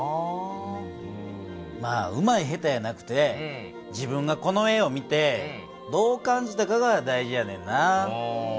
まあうまい下手やなくて自分がこの絵を見てどう感じたかが大事やねんな。